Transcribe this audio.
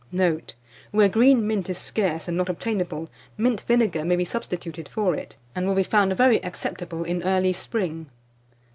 Note. Where green mint is scarce and not obtainable, mint vinegar may be substituted for it, and will be found very acceptable in early spring.